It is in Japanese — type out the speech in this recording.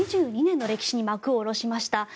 ２２年の歴史に幕を下ろしました。